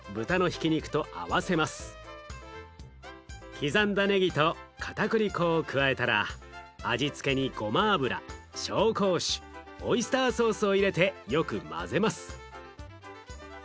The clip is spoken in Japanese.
刻んだねぎとかたくり粉を加えたら味付けにごま油紹興酒オイスターソースを入れてよく混ぜます。